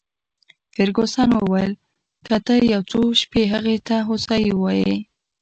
فرګوسن وویل: که ته یو څو شپې هغې ته د هوسایۍ وواېې.